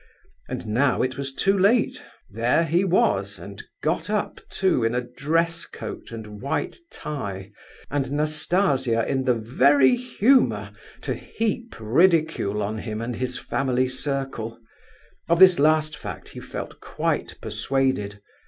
And now it was too late—there he was, and got up, too, in a dress coat and white tie, and Nastasia in the very humour to heap ridicule on him and his family circle; of this last fact, he felt quite persuaded.